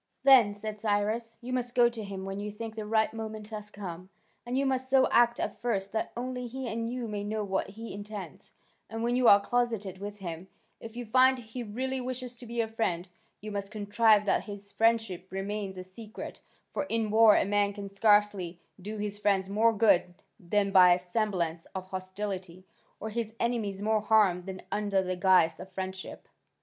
"Then," said Cyrus, "you must go to him when you think the right moment has come: and you must so act at first that only he and you may know what he intends, and when you are closeted with him, if you find he really wishes to be a friend, you must contrive that his friendship remain a secret: for in war a man can scarcely do his friends more good than by a semblance of hostility, or his enemies more harm than under the guise of friendship."